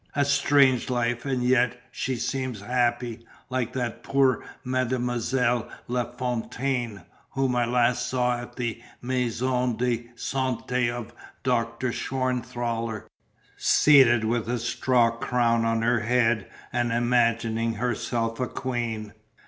"A strange life, and yet she seems happy, like that poor Mademoiselle La Fontaine, whom I last saw at the Maison de Santé of Doctor Schwanthaller, seated with a straw crown on her head and imagining herself a queen."